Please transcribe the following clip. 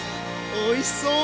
おいしそう！